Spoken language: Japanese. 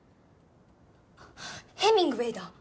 あっヘミングウェイだ。